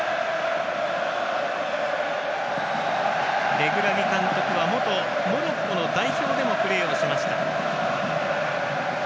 レグラギ監督は元モロッコの代表でもプレーしました。